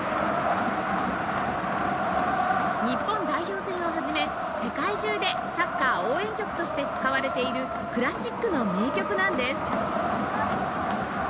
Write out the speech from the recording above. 日本代表戦を始め世界中でサッカー応援曲として使われているクラシックの名曲なんです